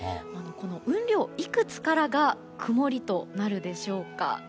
この雲量、いくつからが曇りとなるでしょうか。